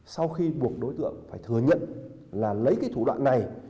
sau khi buộc đối tượng phải thừa nhận là lấy cái thủ đoạn này